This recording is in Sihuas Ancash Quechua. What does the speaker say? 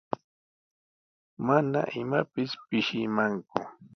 Mana imapis pishimanku.